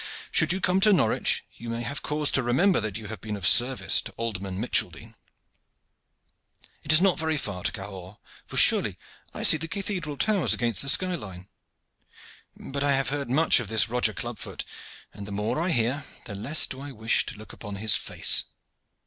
"Should you come to Norwich you may have cause to remember that you have been of service to Alderman Micheldene. It is not very far to Cahors, for surely I see the cathedral towers against the sky line; but I have heard much of this Roger Clubfoot, and the more I hear the less do I wish to look upon his face.